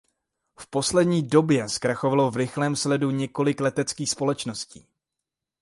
V poslední době zkrachovalo v rychlém sledu několik leteckých společností.